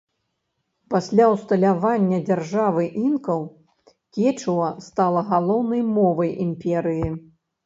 Пасля ўсталявання дзяржавы інкаў кечуа стала галоўнай мовай імперыі.